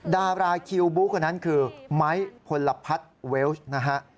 ดาราคิวบู๊คนนั้นคือไม้พลพัฒน์เวลส์นะฮะ